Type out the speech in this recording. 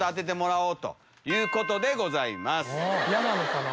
嫌なのかな？